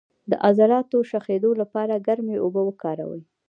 د عضلاتو د شخیدو لپاره ګرمې اوبه وکاروئ